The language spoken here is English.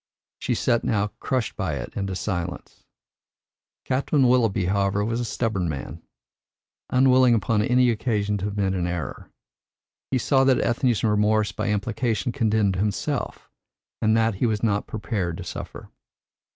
She sat now crushed by it into silence. Captain Willoughby, however, was a stubborn man, unwilling upon any occasion to admit an error. He saw that Ethne's remorse by implication condemned himself, and that he was not prepared to suffer.